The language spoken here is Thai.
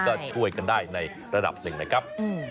ก็ช่วยกันได้ในระดับหนึ่งนะครับ